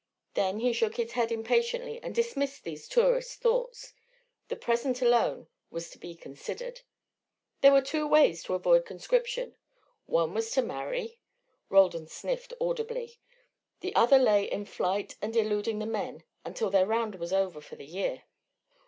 Then he shook his head impatiently and dismissed these tourist thoughts. The present alone was to be considered. There were two ways to avoid conscription. One was to marry Roldan sniffed audibly; the other lay in flight and eluding the men until their round was over for the year.